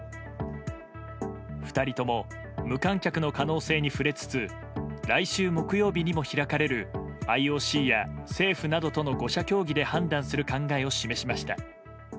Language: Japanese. ２人とも無観客の可能性に触れつつ来週木曜日にも開かれるＩＯＣや政府などとの５者協議で判断する考えを示しました。